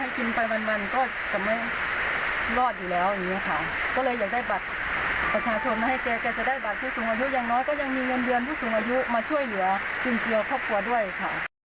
ก็ยังมีเงินเดือนที่สูงอายุมาช่วยเหลือจึงเกี่ยวครอบครัวด้วยค่ะ